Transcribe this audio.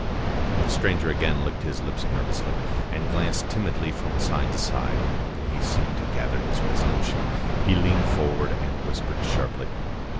The stranger again licked his lips nervously, and glanced timidly from side to side. Then he seemed to gather his resolution; he leaned forward and whispered sharply.